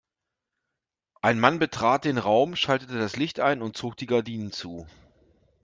Ein Mann betrat den Raum, schaltete das Licht ein und zog die Gardinen zu.